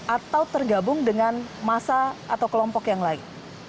atau tergabung dengan masa atau kelompok yang lain